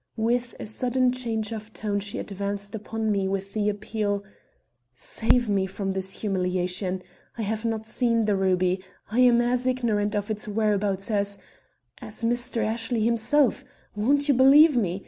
With a sudden change of tone she advanced upon me with the appeal: "Save me from this humiliation. I have not seen the ruby. I am as ignorant of its whereabouts as as Mr. Ashley himself. Won't you believe me?